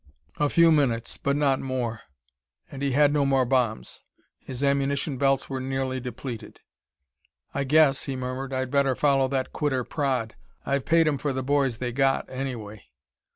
A few minutes but not more. And he had no more bombs; his ammunition belts were nearly depleted. "I guess," he murmured, "I'd better follow that quitter, Praed. I've paid 'em for the boys they got, anyway!"